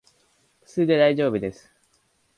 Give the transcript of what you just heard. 普通でだいじょうぶです